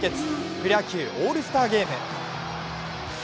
プロ野球オールスターゲーム。